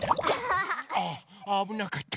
ああぶなかった。